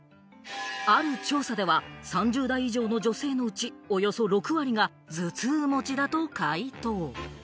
ある調査では、３０代以上の女性のうち、およそ６割が頭痛持ちだと回答。